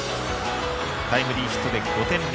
タイムリーヒットで５点目。